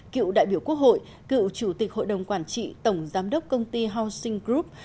cựu đại biểu quốc hội cựu chủ tịch hội đồng quản trị tổng giám đốc công ty housing group